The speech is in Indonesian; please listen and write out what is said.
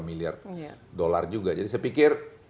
lima miliar dolar juga jadi saya pikir